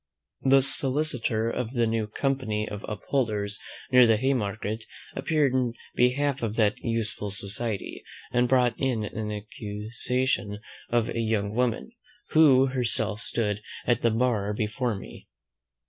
The solicitor of the new Company of Upholders, near the Haymarket, appeared in behalf of that useful society, and brought in an accusation of a young woman, who herself stood at the bar before me.